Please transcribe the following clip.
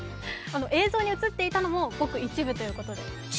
映像に映っていたのもごく一部ということで。